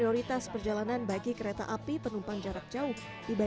sedikitnya perjalanan kereta api di wilayah operasi masing masing dua puluh empat jam setiap hari